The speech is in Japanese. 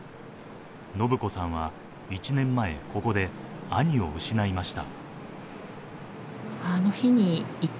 伸子さんは、１年前ここで兄を失いました。